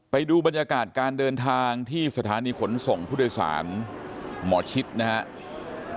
ไปดูบรรยากาศการเดินทางที่สถานีขนส่งผู้โดยสารหมอชิดนะครับ